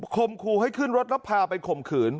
คมครูให้ขึ้นรถแล้วพาไปข่มขืน